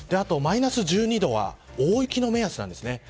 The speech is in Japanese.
マイナス１２度は大雪の目安なんです。